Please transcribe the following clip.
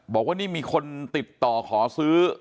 บอกว่านี่มีคนติดต่อขอซื้อ